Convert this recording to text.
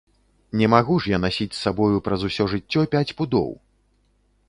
Не магу ж я насіць з сабою праз усё жыццё пяць пудоў!